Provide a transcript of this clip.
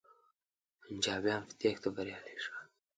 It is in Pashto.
پنجابیان په تیښته بریالی شول.